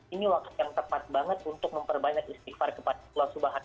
ini waktu yang tepat banget untuk memperbanyak istighfar kepada allah swt